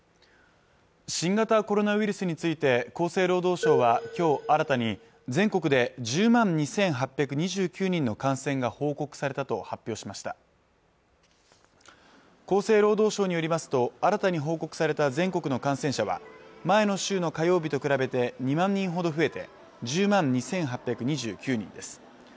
新型コロナウイルスについて厚生労働省は今日新たに全国で１０万２８２９人の感染が報告されたと発表しました厚生労働省によりますと新たに報告された全国の感染者は前の週の火曜日と比べて２万人ほど増えて１０万２８２９人です